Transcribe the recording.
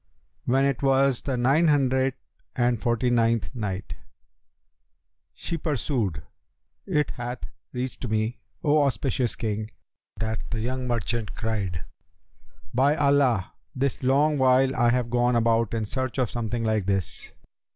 When it was the Nine Hundred and Forty ninth Night, She pursued, It hath reached me, O auspicious King, that the young merchant cried, "'By Allah this long while I have gone about in search of something like this!'